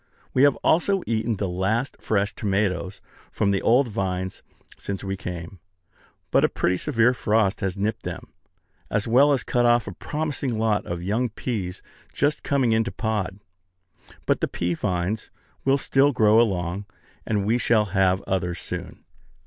We have also eaten the last fresh tomatoes from the old vines since we came; but a pretty severe frost has nipped them, as well as cut off a promising lot of young peas just coming into pod. But the pea vines will still grow along, and we shall have others soon.